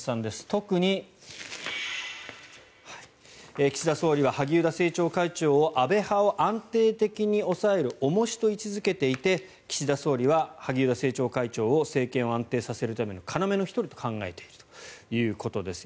特に、岸田総理は萩生田政調会長を安倍派を安定的に抑える重しと位置付けていて岸田総理は萩生田政調会長を政権を安定させるための要の１人と考えているということです。